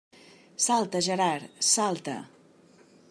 Salta, Gerard, salta!